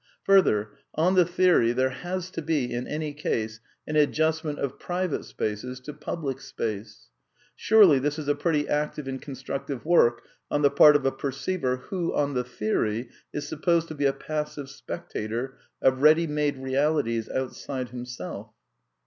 Further, on the theory, there has to be, in any case, an adjustment of ; "private'* spaces to "public" space. Surely this is \\/\^ pretty active and constructive work on the part of a per y*^ '. ceiver who, on the theory, is supposed to be a passive spectator of ready made realities outside himself